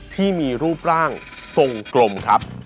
ที่มีรูปร่างทรงกลมครับ